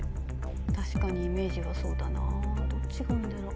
確かにイメージはそうだなどっちがいいんだろう？